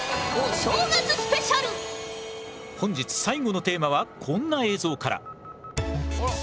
本日最後のテーマはこんな映像から。